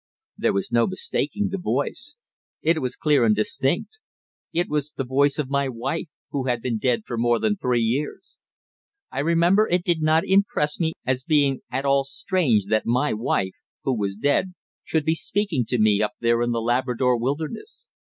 There was no mistaking the voice. It was clear and distinct. It was the voice of my wife, who had been dead for more than three years. I remember it did not impress me as being at all strange that my wife, who was dead, should be speaking to me up there in the Labrador wilderness.